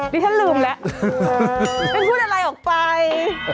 นี่ฉันลืมแล้วไม่พูดอะไรออกไป